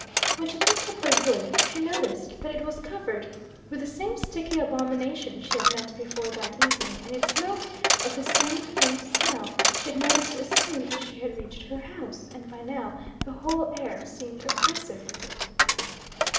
When she picked up the wood she noticed that it was covered with the same sticky abomination she had met before that evening, and it smelt of the same faint smell she had noticed as soon as she had reached her house, and by now the whole air seemed oppressive with it.